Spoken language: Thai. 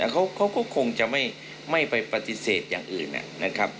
เขาก็คงจะไม่ไปปฏิเสธอย่างอื่นนะครับ